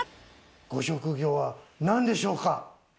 ご職業は何でしょうか？